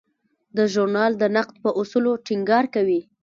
دا ژورنال د نقد په اصولو ټینګار کوي.